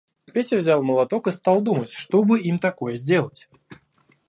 Петя взял молоток и стал думать, что бы им такое сделать.